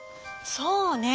そうね。